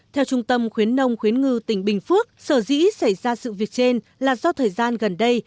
theo trung tâm khuyến nông khuyến ngư tỉnh bình phước sở dĩ xảy ra sự việc trên là do thời gian gần đây